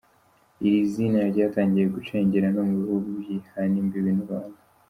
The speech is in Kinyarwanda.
Iri zina ryatangiye gucengera no mu bihugu bihana imbibi n’u Rwanda.